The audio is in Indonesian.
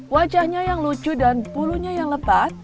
wajahnya yang lucu dan bulunya yang lebat